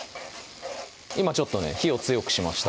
今ちょっとね火を強くしました